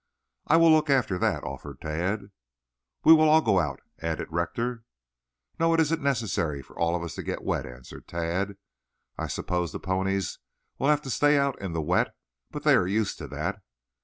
"I will look after that," offered Tad. "We will all go out," added Rector. "No, it isn't necessary for all of us to get wet," answered Tad. "I suppose the ponies will have to stay out in the wet, but they are used to that.